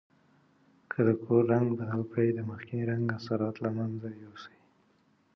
که د کور رنګ بدل کړئ د مخکني رنګ اثرات له منځه یوسئ.